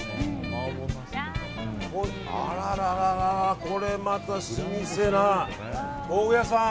あらららら、これまた老舗な豆腐屋さん。